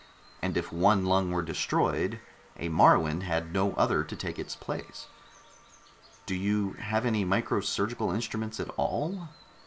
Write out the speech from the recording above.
And if one lung were destroyed, a Moruan had no other to take its place. "Do you have any micro surgical instruments at all?"